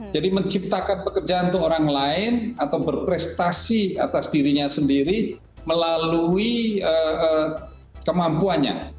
jadi menciptakan pekerjaan untuk orang lain atau berprestasi atas dirinya sendiri melalui kemampuannya